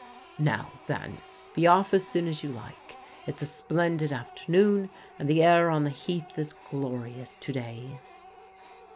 Now, then, be off as soon as you like. It's a splendid afternoon, and the air on the Heath is glorious to day."